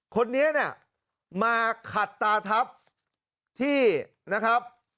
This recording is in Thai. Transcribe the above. คนนี้เนี่ยมาขัดตาทัพที่นะครับ